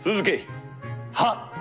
はっ。